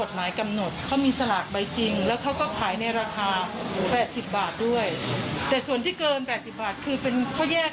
แต่ว่าเรามีความรู้สึกว่ามันเป็นสายงานที่เราชอบ